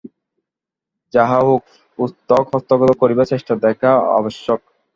যাহা হউক, পুস্তক হস্তগত করিবার চেষ্টা দেখা আবশ্যক।